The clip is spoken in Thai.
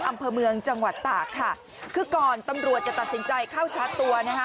อำเภอเมืองจังหวัดตากค่ะคือก่อนตำรวจจะตัดสินใจเข้าชาร์จตัวนะคะ